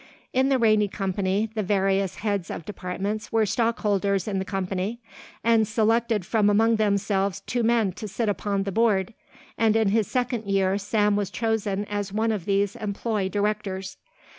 In the Rainey Company, the various heads of departments were stockholders in the company, and selected from among themselves two men to sit upon the board, and in his second year Sam was chosen as one of these employee directors.